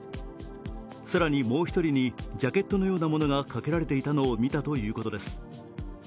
更に、もう１人にジャケットのようなものがかけられていたのを見たということです。